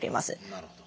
なるほど。